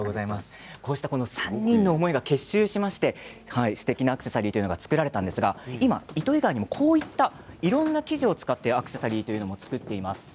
３人の思いが結集してすてきなアクセサリーが作られたんですが糸以外でもいろんな生地を使ってアクセサリーを作っています。